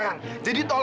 kamu sudah tahu kan